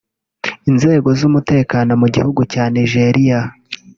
Inzego z’umutekano mu gihugu cya Nigeria